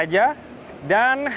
lalu juga melakukan loading saja